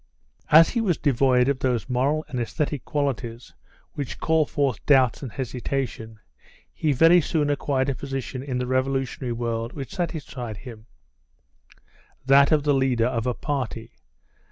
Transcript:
As he was devoid of those moral and aesthetic qualities which call forth doubts and hesitation, he very soon acquired a position in the revolutionary world which satisfied him that of the leader of a party.